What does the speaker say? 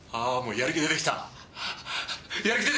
やる気出てきた！